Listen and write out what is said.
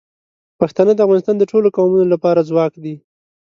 پښتانه د افغانستان د ټولو قومونو لپاره ځواک دي.